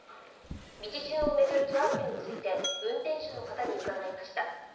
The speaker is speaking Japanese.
道順を巡るトラブルについて運転手の方に伺いました。